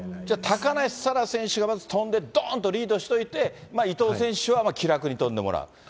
じゃあ、高梨沙羅選手が飛んでどーんとリードしておいて、伊藤選手には、気楽に飛んでもらう。